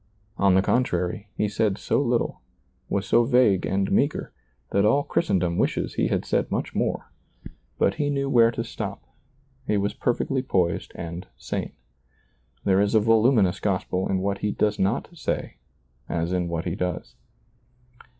On the contraiy, he said so little, was so vague and meager, that all Christendom wishes he had said much more ; but he knew where to stop ; he was perfectly poised and sane. There is a voluminous gospel in what he does not say, as in what he does.